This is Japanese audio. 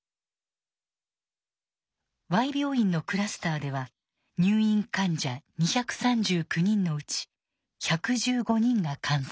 Ｙ病院のクラスターでは入院患者２３９人のうち１１５人が感染。